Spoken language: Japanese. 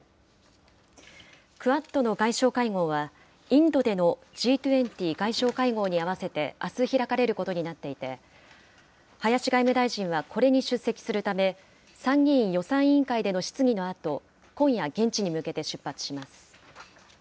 クアッドの外相会合は、インドでのＧ２０外相会合に合わせて、あす開かれることになっていて、林外務大臣はこれに出席するため、参議院予算委員会での質疑のあと、今夜、現地に向けて出発します。